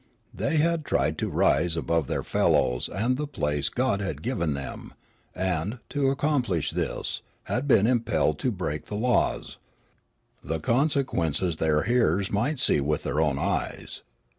The} had tried to rise above their fellows and the place God had given them, and, to accomplish this, had been impelled to break the laws ; the consequences their hearers might see with their own eyes.